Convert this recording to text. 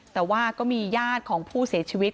แต่ว่าก็มีญาติของผู้เสียชีวิต